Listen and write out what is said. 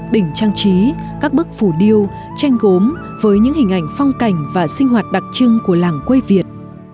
đỉnh trang trí các bức phù điêu tranh gốm với những hình ảnh phong cảnh và sinh hoạt đặc trưng của làng quê việt